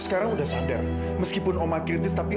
sekarang udah sadar meskipun omakirtis tapi